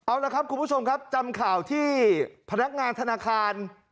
เอาละครับคุณผู้ชมครับจำข่าวที่พนักงานธนาคาร